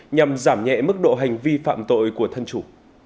nhằm giảm nhẹ mức độ hành vi phạm tội của thân chủ